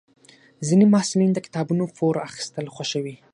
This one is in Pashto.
ځینې محصلین د کتابونو پور اخیستل خوښوي.